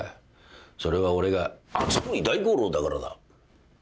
それは俺が熱護大五郎だからだ。